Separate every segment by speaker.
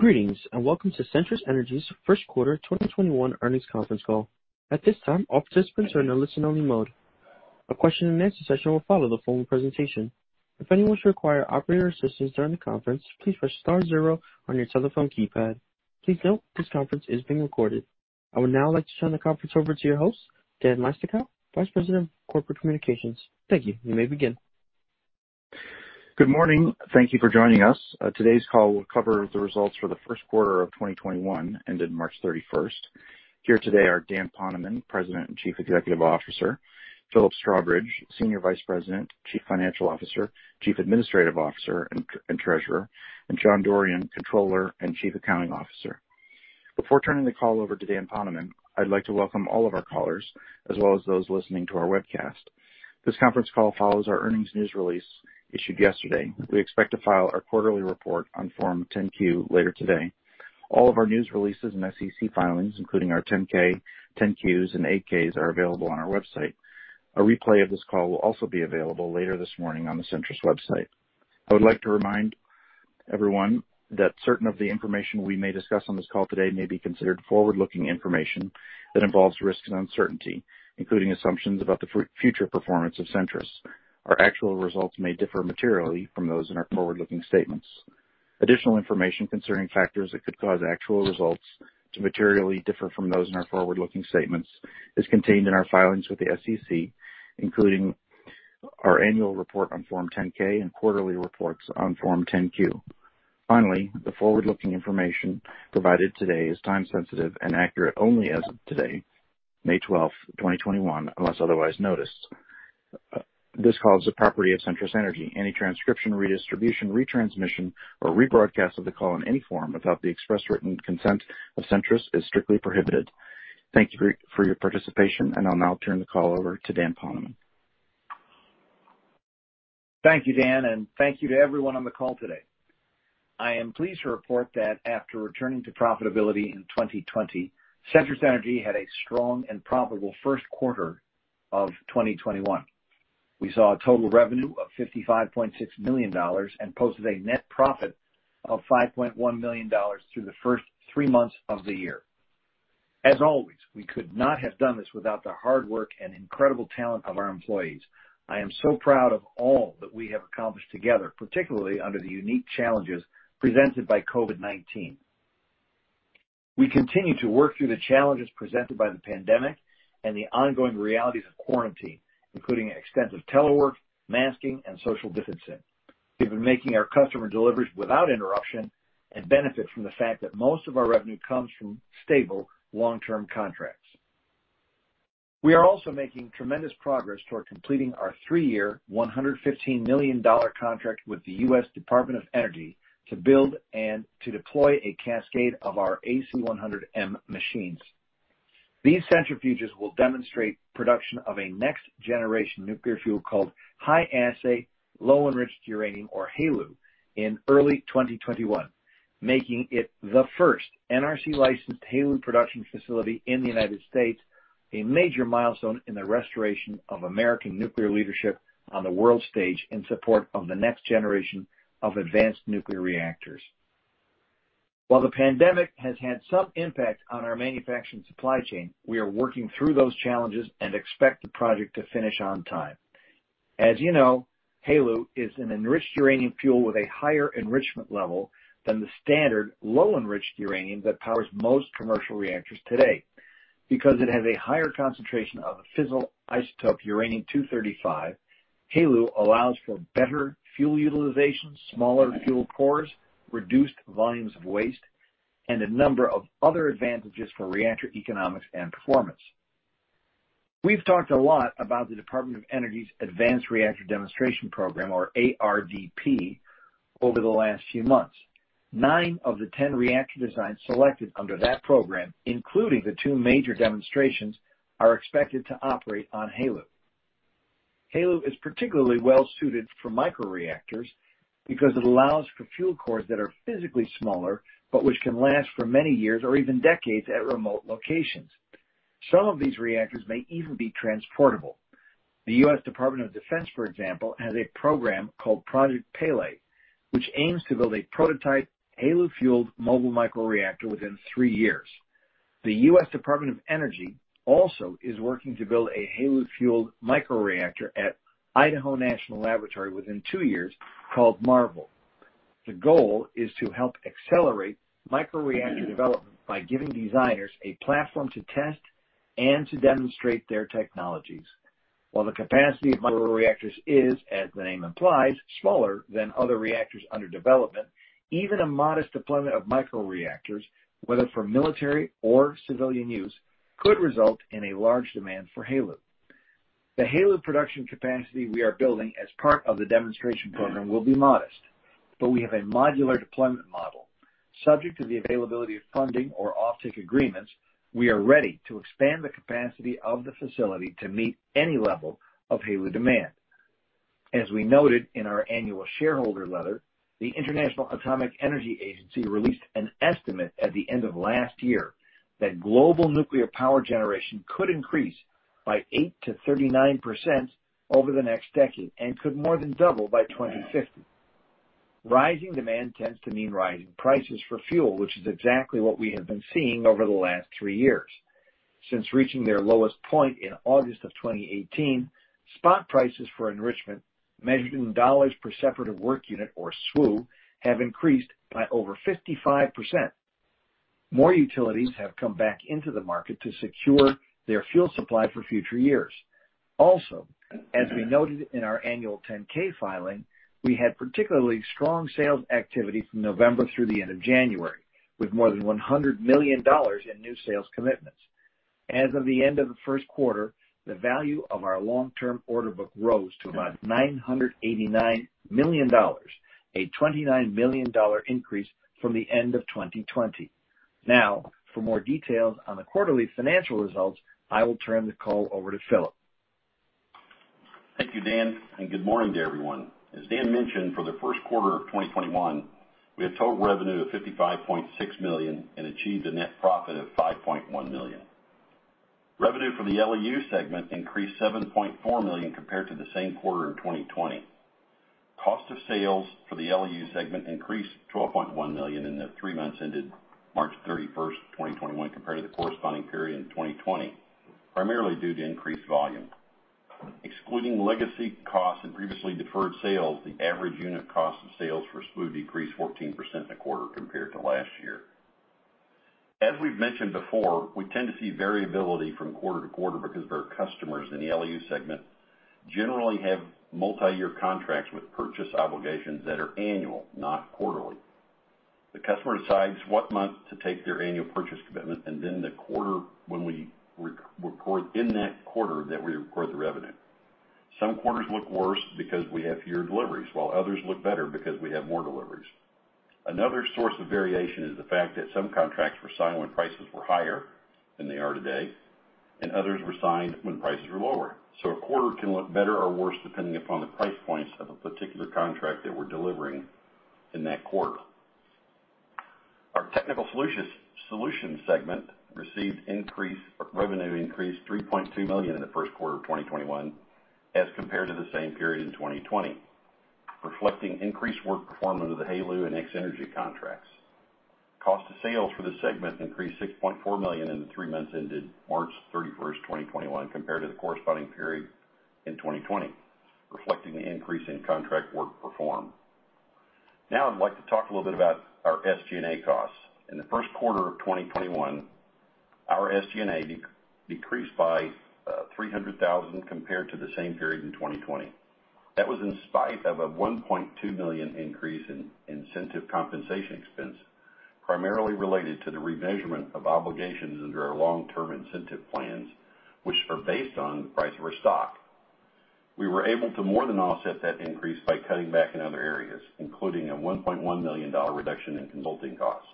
Speaker 1: Greetings and welcome to Centrus Energy's Q1 2021 earnings conference call. At this time, all participants are in a listen-only mode. A question-and-answer session will follow the full presentation. If anyone should require operator assistance during the conference, please press star zero on your telephone keypad. Please note, this conference is being recorded. I would now like to turn the conference over to your host, Dan Leistikow, Vice President of Corporate Communications. Thank you. You may begin.
Speaker 2: Good morning. Thank you for joining us. Today's call will cover the results for the Q1 of 2021 ended March 31st. Here today are Dan Poneman, President and Chief Executive Officer, Philip Strawbridge, Senior Vice President, Chief Financial Officer, Chief Administrative Officer, and Treasurer, and John Dorrian, Controller and Chief Accounting Officer. Before turning the call over to Dan Poneman, I'd like to welcome all of our callers as well as those listening to our webcast. This conference call follows our earnings news release issued yesterday. We expect to file our quarterly report on Form 10-Q later today. All of our news releases and SEC filings, including our 10-K, 10-Qs, and 8-Ks, are available on our website. A replay of this call will also be available later this morning on the Centrus website. I would like to remind everyone that certain of the information we may discuss on this call today may be considered forward-looking information that involves risk and uncertainty, including assumptions about the future performance of Centrus. Our actual results may differ materially from those in our forward-looking statements. Additional information concerning factors that could cause actual results to materially differ from those in our forward-looking statements is contained in our filings with the SEC, including our annual report on Form 10-K and quarterly reports on Form 10-Q. Finally, the forward-looking information provided today is time-sensitive and accurate only as of today, May 12th, 2021, unless otherwise noticed. This call is the property of Centrus Energy. Any transcription, redistribution, retransmission, or rebroadcast of the call in any form without the express written consent of Centrus is strictly prohibited. Thank you for your participation, and I'll now turn the call over to Dan Poneman.
Speaker 3: Thank you, Dan, and thank you to everyone on the call today. I am pleased to report that after returning to profitability in 2020, Centrus Energy had a strong and profitable Q1 of 2021. We saw a total revenue of $55.6 million and posted a net profit of $5.1 million through the first three months of the year. As always, we could not have done this without the hard work and incredible talent of our employees. I am so proud of all that we have accomplished together, particularly under the unique challenges presented by COVID-19. We continue to work through the challenges presented by the pandemic and the ongoing realities of quarantine, including extensive telework, masking, and social distancing. We've been making our customer deliveries without interruption and benefit from the fact that most of our revenue comes from stable, long-term contracts. We are also making tremendous progress toward completing our three-year, $115 million contract with the U.S. Department of Energy to build and to deploy a cascade of our AC100M machines. These centrifuges will demonstrate production of a next-generation nuclear fuel called high-assay, low-enriched uranium, or HALEU in early 2021, making it the first NRC-licensed HALEU production facility in the United States, a major milestone in the restoration of American nuclear leadership on the world stage in support of the next generation of advanced nuclear reactors. While the pandemic has had some impact on our manufacturing supply chain, we are working through those challenges and expect the project to finish on time. As you know, HALEU is an enriched uranium fuel with a higher enrichment level than the standard low-enriched uranium that powers most commercial reactors today. Because it has a higher concentration of the fissile isotope uranium-235, HALEU allows for better fuel utilization, smaller fuel cores, reduced volumes of waste, and a number of other advantages for reactor economics and performance. We've talked a lot about the Department of Energy's Advanced Reactor Demonstration Program, or ARDP, over the last few months. Nine of the 10 reactor designs selected under that program, including the two major demonstrations, are expected to operate on HALEU. HALEU is particularly well-suited for micro-reactors because it allows for fuel cores that are physically smaller but which can last for many years or even decades at remote locations. Some of these reactors may even be transportable. The U.S. Department of Defense, for example, has a program called Project Pele, which aims to build a prototype HALEU-fueled mobile micro-reactor within three years. The U.S. Department of Energy also is working to build a HALEU-fueled micro-reactor at Idaho National Laboratory within two years called MARVEL. The goal is to help accelerate micro-reactor development by giving designers a platform to test and to demonstrate their technologies. While the capacity of micro-reactors is, as the name implies, smaller than other reactors under development, even a modest deployment of micro-reactors, whether for military or civilian use, could result in a large demand for HALEU. The HALEU production capacity we are building as part of the demonstration program will be modest, but we have a modular deployment model. Subject to the availability of funding or off-take agreements, we are ready to expand the capacity of the facility to meet any level of HALEU demand. As we noted in our annual shareholder letter, the International Atomic Energy Agency released an estimate at the end of last year that global nuclear power generation could increase by 8% to 39% over the next decade and could more than double by 2050. Rising demand tends to mean rising prices for fuel, which is exactly what we have been seeing over the last three years. Since reaching their lowest point in August of 2018, spot prices for enrichment, measured in dollars per separative work unit, or SWU, have increased by over 55%. More utilities have come back into the market to secure their fuel supply for future years. Also, as we noted in our annual 10-K filing, we had particularly strong sales activity from November through the end of January, with more than $100 million in new sales commitments. As of the end of the Q1, the value of our long-term order book rose to about $989 million, a $29 million increase from the end of 2020. Now, for more details on the quarterly financial results, I will turn the call over to Philip.
Speaker 4: Thank you, Dan, and good morning to everyone. As Dan mentioned, for the Q1 of 2021, we had total revenue of $55.6 million and achieved a net profit of $5.1 million. Revenue for the LEU segment increased $7.4 million compared to the same quarter in 2020. Cost of sales for the LEU segment increased $12.1 million in the three months ended March 31st, 2021, compared to the corresponding period in 2020, primarily due to increased volume. Excluding legacy costs and previously deferred sales, the average unit cost of sales for SWU decreased 14% in the quarter compared to last year. As we've mentioned before, we tend to see variability from quarter-to-quarter because of our customers in the LEU segment generally have multi-year contracts with purchase obligations that are annual, not quarterly. The customer decides what month to take their annual purchase commitment, and then the quarter when we record in that quarter that we record the revenue. Some quarters look worse because we have fewer deliveries, while others look better because we have more deliveries. Another source of variation is the fact that some contracts were signed when prices were higher than they are today, and others were signed when prices were lower. So a quarter can look better or worse depending upon the price points of a particular contract that we're delivering in that quarter. Our Technical Solutions segment revenue increased $3.2 million in the Q1 of 2021 as compared to the same period in 2020, reflecting increased work performed under the HALEU and X-energy contracts. Cost of sales for the segment increased $6.4 million in the three months ended March 31st, 2021, compared to the corresponding period in 2020, reflecting the increase in contract work performed. Now, I'd like to talk a little bit about our SG&A costs. In the Q1 of 2021, our SG&A decreased by $300,000 compared to the same period in 2020. That was in spite of a $1.2 million increase in incentive compensation expense, primarily related to the remeasurement of obligations under our long-term incentive plans, which are based on the price of our stock. We were able to more than offset that increase by cutting back in other areas, including a $1.1 million reduction in consulting costs.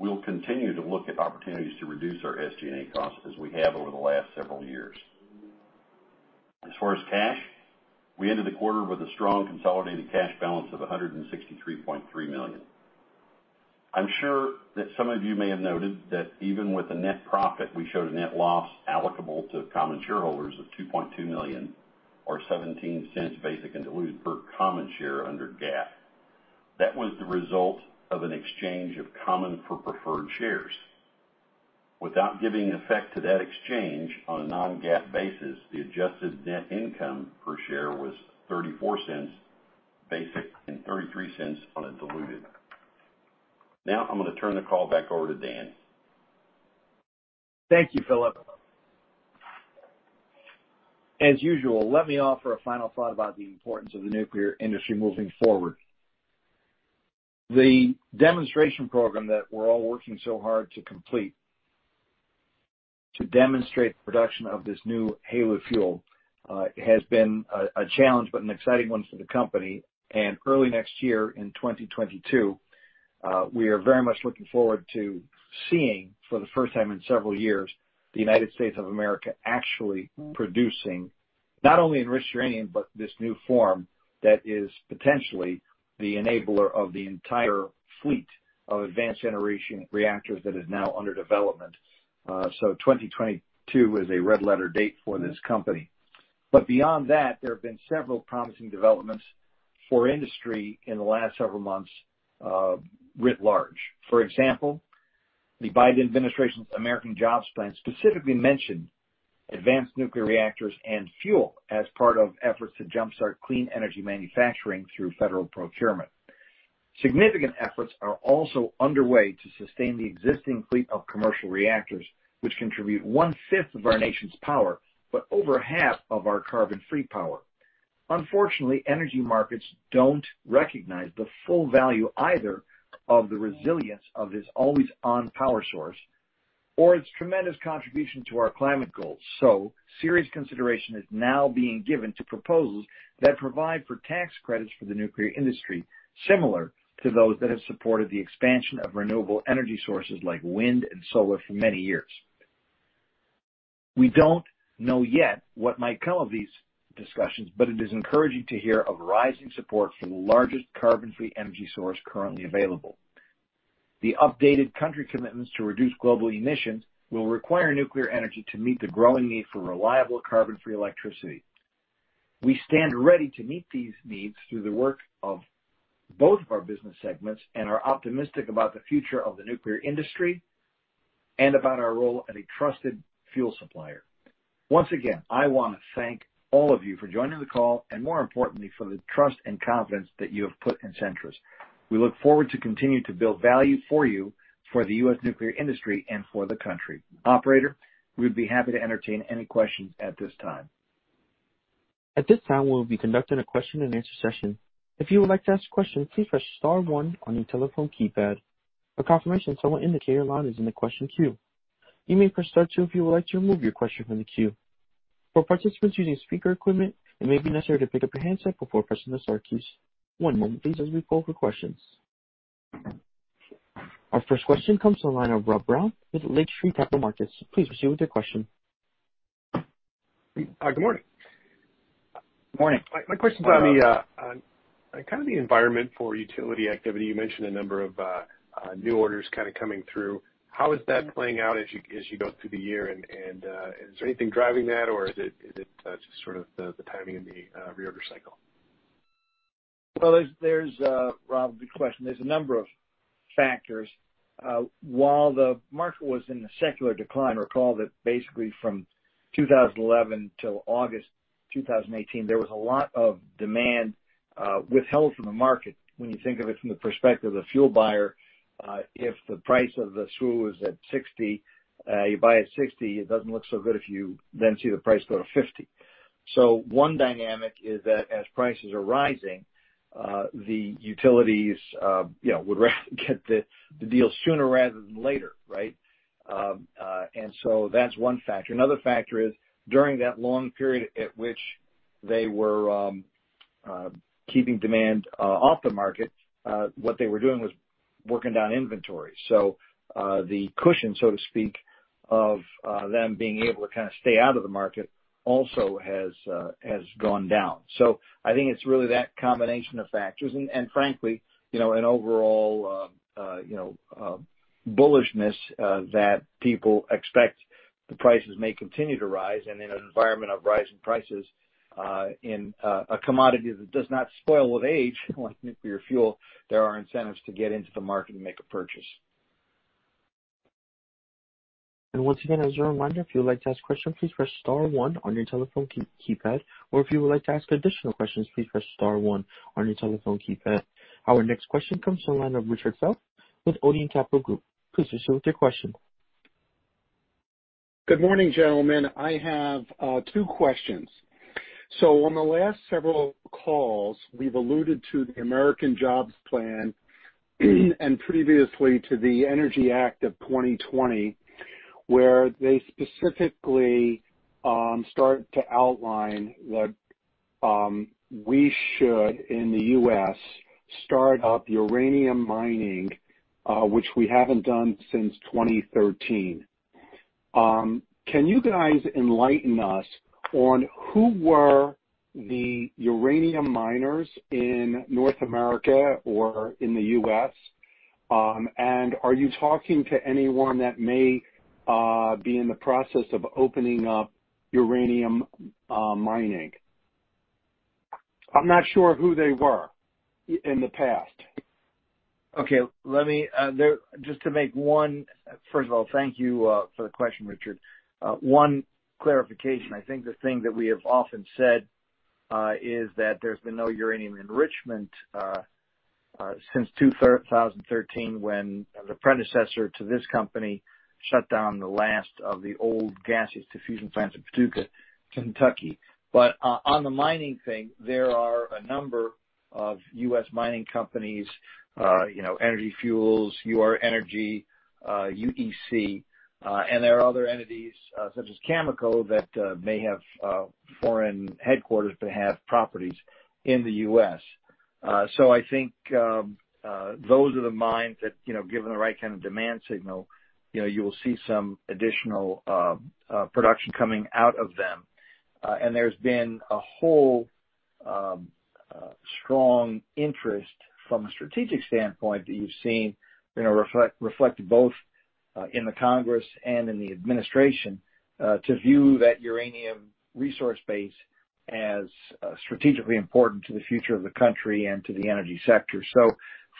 Speaker 4: We'll continue to look at opportunities to reduce our SG&A costs as we have over the last several years. As far as cash, we ended the quarter with a strong consolidated cash balance of $163.3 million. I'm sure that some of you may have noted that even with a net profit, we showed a net loss allocable to common shareholders of $2.2 million, or $0.17 basic and diluted per common share under GAAP. That was the result of an exchange of common for preferred shares. Without giving effect to that exchange on a non-GAAP basis, the adjusted net income per share was $0.34 basic and $0.33 on a diluted. Now, I'm going to turn the call back over to Dan.
Speaker 3: Thank you, Philip. As usual, let me offer a final thought about the importance of the nuclear industry moving forward. The demonstration program that we're all working so hard to complete to demonstrate the production of this new HALEU fuel has been a challenge but an exciting one for the company, and early next year, in 2022, we are very much looking forward to seeing, for the first time in several years, the United States of America actually producing not only enriched uranium but this new form that is potentially the enabler of the entire fleet of advanced generation reactors that is now under development, so 2022 is a red-letter date for this company, but beyond that, there have been several promising developments for industry in the last several months writ large. For example, the Biden administration's American Jobs Plan specifically mentioned advanced nuclear reactors and fuel as part of efforts to jump-start clean energy manufacturing through federal procurement. Significant efforts are also underway to sustain the existing fleet of commercial reactors, which contribute one-fifth of our nation's power but over half of our carbon-free power. Unfortunately, energy markets don't recognize the full value either of the resilience of this always-on power source or its tremendous contribution to our climate goals. So serious consideration is now being given to proposals that provide for tax credits for the nuclear industry, similar to those that have supported the expansion of renewable energy sources like wind and solar for many years. We don't know yet what might come of these discussions, but it is encouraging to hear of rising support for the largest carbon-free energy source currently available. The updated country commitments to reduce global emissions will require nuclear energy to meet the growing need for reliable carbon-free electricity. We stand ready to meet these needs through the work of both of our business segments and are optimistic about the future of the nuclear industry and about our role as a trusted fuel supplier. Once again, I want to thank all of you for joining the call and, more importantly, for the trust and confidence that you have put in Centrus. We look forward to continuing to build value for you, for the U.S. nuclear industry, and for the country. Operator, we'd be happy to entertain any questions at this time.
Speaker 1: At this time, we will be conducting a question-and-answer session. If you would like to ask a question, please press star one on your telephone keypad. For confirmation, someone indicated your line is in the question queue. You may press star two if you would like to remove your question from the queue. For participants using speaker equipment, it may be necessary to pick up your handset before pressing the star keys. One moment, please, as we pull up your questions. Our first question comes from the line of Rob Brown with Lake Street Capital Markets. Please proceed with your question.
Speaker 5: Good morning. My question is on kind of the environment for utility activity. You mentioned a number of new orders kind of coming through. How is that playing out as you go through the year, and is there anything driving that, or is it just sort of the timing of the reorder cycle?
Speaker 3: There's, Rob, a good question. There's a number of factors. While the market was in a secular decline, recall that basically from 2011 till August 2018, there was a lot of demand withheld from the market. When you think of it from the perspective of the fuel buyer, if the price of the SWU is at 60, you buy at 60, it doesn't look so good if you then see the price go to 50. So one dynamic is that as prices are rising, the utilities would rather get the deal sooner rather than later, right? And so that's one factor. Another factor is during that long period at which they were keeping demand off the market, what they were doing was working down inventory. So the cushion, so to speak, of them being able to kind of stay out of the market also has gone down. So I think it's really that combination of factors and, frankly, an overall bullishness that people expect the prices may continue to rise. And in an environment of rising prices in a commodity that does not spoil with age like nuclear fuel, there are incentives to get into the market and make a purchase.
Speaker 1: Once again, as a reminder, if you would like to ask a question, please press star one on your telephone keypad. If you would like to ask additional questions, please press star one on your telephone keypad. Our next question comes from the line of Richard Fels with Odeon Capital Group. Please proceed with your question.
Speaker 6: Good morning, gentlemen. I have two questions. So on the last several calls, we've alluded to the American Jobs Plan and previously to the Energy Act of 2020, where they specifically start to outline that we should, in the U.S., start up uranium mining, which we haven't done since 2013. Can you guys enlighten us on who were the uranium miners in North America or in the U.S., and are you talking to anyone that may be in the process of opening up uranium mining? I'm not sure who they were in the past.
Speaker 3: Okay. Just to make one-first of all, thank you for the question, Richard. One clarification. I think the thing that we have often said is that there's been no uranium enrichment since 2013 when the predecessor to this company shut down the last of the old gaseous diffusion plants in Paducah, Kentucky. But on the mining thing, there are a number of U.S. mining companies: Energy Fuels, Ur-Energy, UEC, and there are other entities such as Cameco that may have foreign headquarters but have properties in the U.S. So I think those are the mines that, given the right kind of demand signal, you will see some additional production coming out of them. And there's been a whole strong interest from a strategic standpoint that you've seen reflected both in the Congress and in the administration to view that uranium resource base as strategically important to the future of the country and to the energy sector.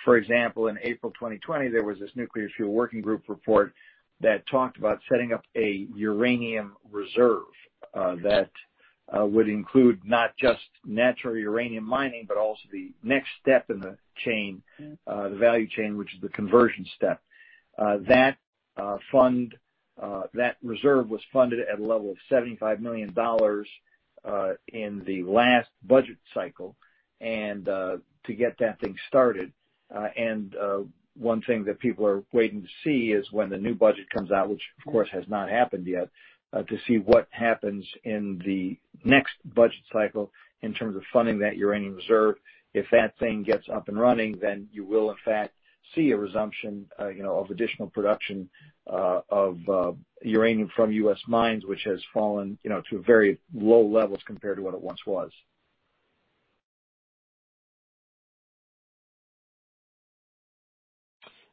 Speaker 3: For example, in April 2020, there was this Nuclear Fuel Working Group report that talked about setting up a uranium reserve that would include not just natural uranium mining but also the next step in the chain, the value chain, which is the conversion step. That reserve was funded at a level of $75 million in the last budget cycle to get that thing started. One thing that people are waiting to see is when the new budget comes out, which, of course, has not happened yet, to see what happens in the next budget cycle in terms of funding that uranium reserve. If that thing gets up and running, you will, in fact, see a resumption of additional production of uranium from U.S. mines, which has fallen to very low levels compared to what it once was.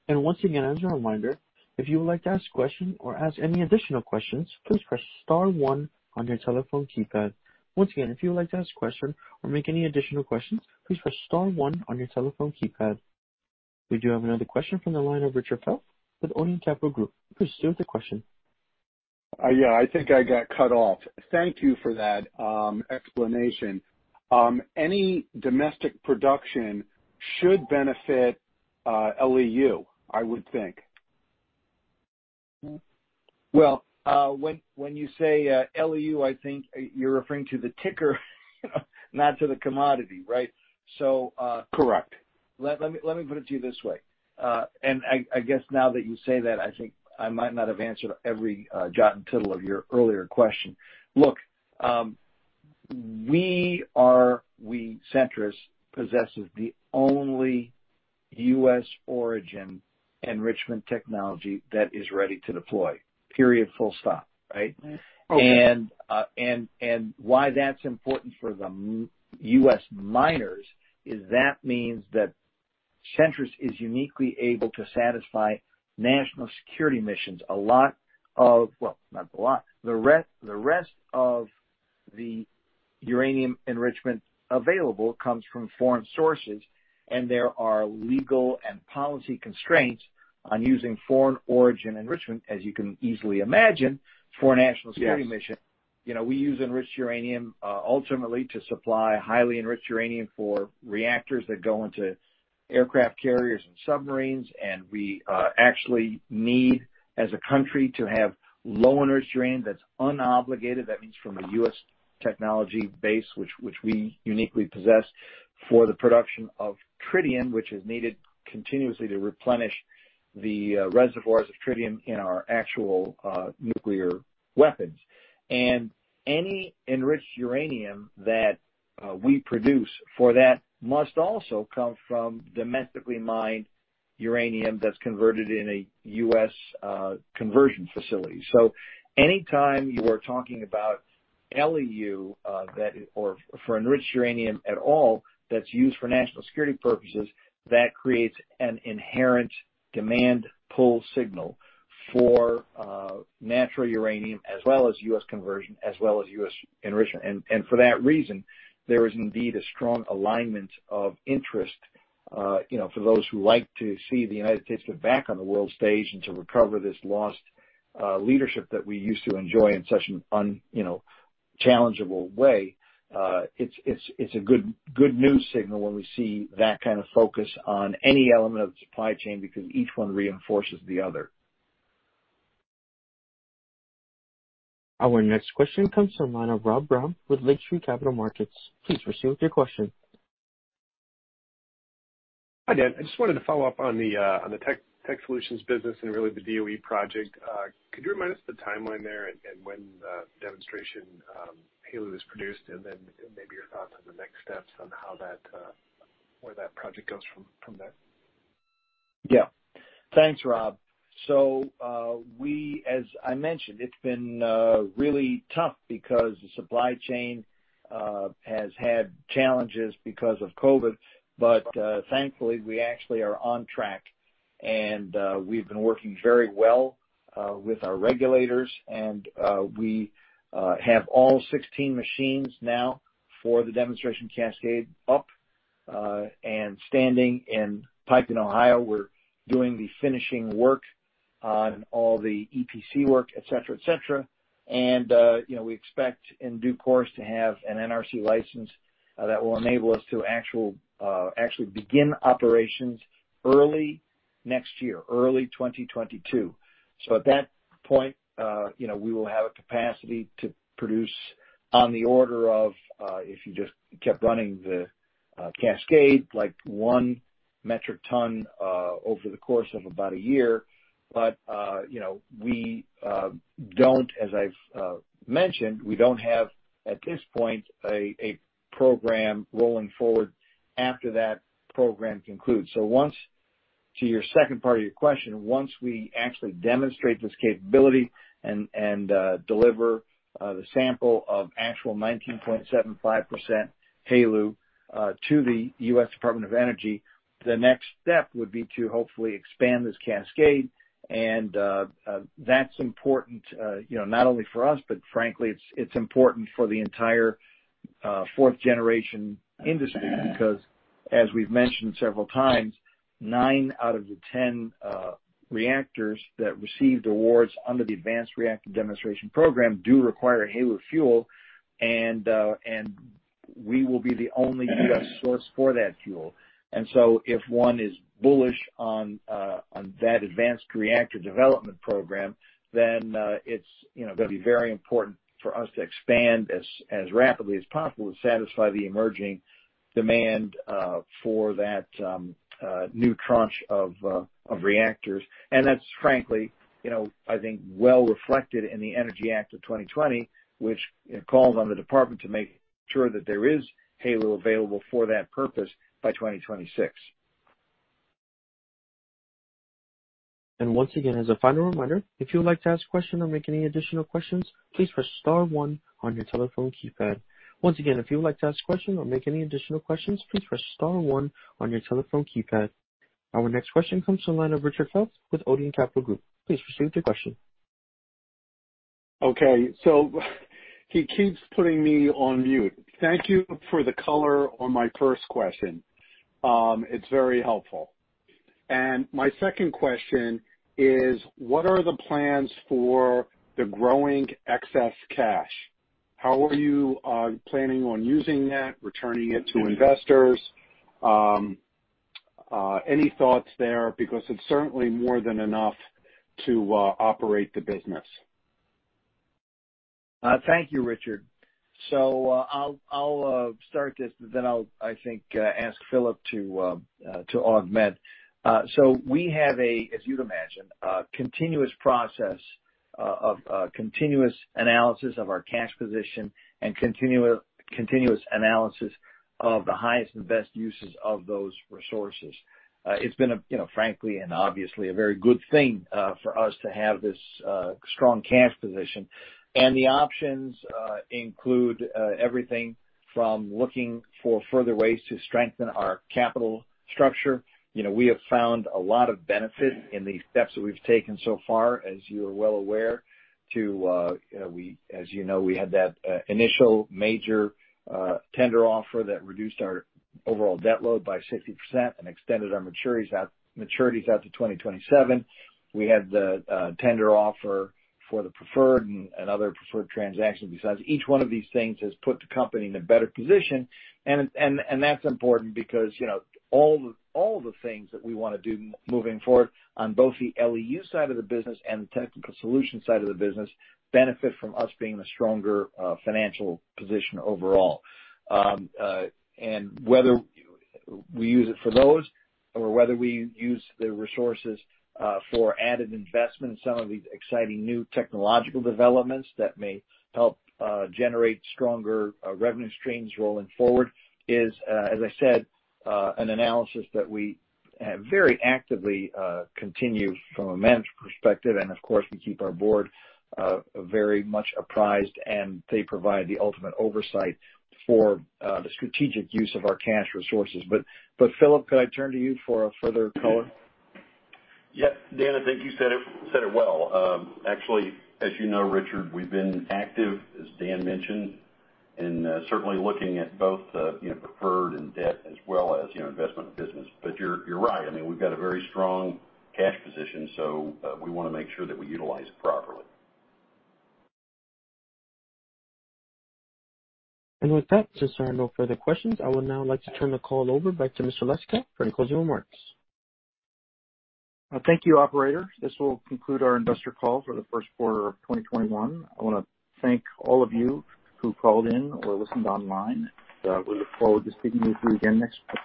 Speaker 1: And once again, as a reminder, if you would like to ask a question or ask any additional questions, please press star 1 on your telephone keypad. Once again, if you would like to ask a question or make any additional questions, please press Star 1 on your telephone keypad. We do have another question from the line of Richard Fels with Odeon Capital Group. Please proceed with the question.
Speaker 6: Yeah, I think I got cut off. Thank you for that explanation. Any domestic production should benefit LEU, I would think.
Speaker 3: When you say LEU, I think you're referring to the ticker, not to the commodity, right? So.
Speaker 6: Correct.
Speaker 3: Let me put it to you this way. I guess now that you say that, I think I might not have answered every jot and tittle of your earlier question. Look, we are, we Centrus possesses the only U.S. origin enrichment technology that is ready to deploy. Period. Full stop. Right? Why that's important for the U.S. miners is that means that Centrus is uniquely able to satisfy national security missions. A lot of, well, not a lot. The rest of the uranium enrichment available comes from foreign sources, and there are legal and policy constraints on using foreign origin enrichment, as you can easily imagine, for a national security mission. We use enriched uranium ultimately to supply highly enriched uranium for reactors that go into aircraft carriers and submarines. And we actually need, as a country, to have low-enriched uranium that's unobligated. That means from a U.S. technology base, which we uniquely possess, for the production of tritium, which is needed continuously to replenish the reservoirs of tritium in our actual nuclear weapons. And any enriched uranium that we produce for that must also come from domestically mined uranium that's converted in a U.S. conversion facility. So anytime you are talking about LEU or for enriched uranium at all that's used for national security purposes, that creates an inherent demand-pull signal for natural uranium as well as U.S. conversion as well as U.S. enrichment. And for that reason, there is indeed a strong alignment of interest for those who like to see the United States get back on the world stage and to recover this lost leadership that we used to enjoy in such an unchallengeable way. It's a good news signal when we see that kind of focus on any element of the supply chain because each one reinforces the other.
Speaker 1: Our next question comes from the line of Rob Brown with Lake Street Capital Markets. Please proceed with your question.
Speaker 5: Hi, Dan. I just wanted to follow up on the technical solutions business and really the DOE project. Could you remind us of the timeline there and when the demonstration HALEU was produced and then maybe your thoughts on the next steps on where that project goes from there?
Speaker 3: Yeah. Thanks, Rob. So we, as I mentioned, it's been really tough because the supply chain has had challenges because of COVID. But thankfully, we actually are on track, and we've been working very well with our regulators. And we have all 16 machines now for the demonstration cascade up and standing in Piketon, Ohio. We're doing the finishing work on all the EPC work, etc., etc. And we expect in due course to have an NRC license that will enable us to actually begin operations early next year, early 2022. So at that point, we will have a capacity to produce on the order of, if you just kept running the cascade, like one metric ton over the course of about a year. But we don't, as I've mentioned, we don't have at this point a program rolling forward after that program concludes. So to your second part of your question, once we actually demonstrate this capability and deliver the sample of actual 19.75% HALEU to the U.S. Department of Energy, the next step would be to hopefully expand this cascade. And that's important not only for us, but frankly, it's important for the entire fourth-generation industry because, as we've mentioned several times, nine out of the 10 reactors that received awards under the Advanced Reactor Demonstration Program do require HALEU fuel. And we will be the only U.S. source for that fuel. And so if one is bullish on that Advanced Reactor Demonstration Program, then it's going to be very important for us to expand as rapidly as possible to satisfy the emerging demand for that new tranche of reactors. That's, frankly, I think, well reflected in the Energy Act of 2020, which calls on the department to make sure that there is HALEU available for that purpose by 2026.
Speaker 1: And once again, as a final reminder, if you would like to ask a question or make any additional questions, please press star one on your telephone keypad. Once again, if you would like to ask a question or make any additional questions, please press star one on your telephone keypad. Our next question comes from the line of Richard Fels with Odeon Capital Group. Please proceed with your question.
Speaker 6: Okay. So he keeps putting me on mute. Thank you for the color on my first question. It's very helpful, and my second question is, what are the plans for the growing excess cash? How are you planning on using that, returning it to investors? Any thoughts there? Because it's certainly more than enough to operate the business.
Speaker 3: Thank you, Richard. So I'll start this, but then I'll, I think, ask Philip to augment. So we have a, as you'd imagine, continuous process of continuous analysis of our cash position and continuous analysis of the highest and best uses of those resources. It's been, frankly, and obviously, a very good thing for us to have this strong cash position, and the options include everything from looking for further ways to strengthen our capital structure. We have found a lot of benefit in the steps that we've taken so far, as you are well aware. As you know, we had that initial major tender offer that reduced our overall debt load by 60% and extended our maturities out to 2027. We had the tender offer for the preferred and other preferred transactions besides. Each one of these things has put the company in a better position, and that's important because all the things that we want to do moving forward on both the LEU side of the business and the Technical Solutions side of the business benefit from us being in a stronger financial position overall. And whether we use it for those or whether we use the resources for added investment in some of these exciting new technological developments that may help generate stronger revenue streams rolling forward is, as I said, an analysis that we very actively continue from a management perspective. And of course, we keep our board very much apprised, and they provide the ultimate oversight for the strategic use of our cash resources. But Philip, could I turn to you for a further color?
Speaker 4: Yep. Dan, I think you said it well. Actually, as you know, Richard, we've been active, as Dan mentioned, and certainly looking at both preferred and debt as well as investment business. But you're right. I mean, we've got a very strong cash position, so we want to make sure that we utilize it properly.
Speaker 1: With that, as there are no further questions, I would now like to turn the call over back to Mr. Leistikow for the closing remarks.
Speaker 2: Thank you, operator. This will conclude our investor call for the Q1 of 2021. I want to thank all of you who called in or listened online. We look forward to speaking with you again next week.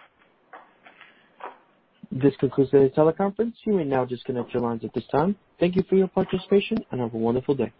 Speaker 1: This concludes today's teleconference. You may now disconnect your lines at this time. Thank you for your participation, and have a wonderful day.